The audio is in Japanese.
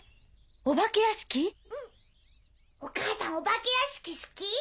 お母さんお化け屋敷好き？